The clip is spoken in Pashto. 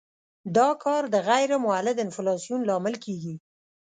دا کار د غیر مولد انفلاسیون لامل کیږي.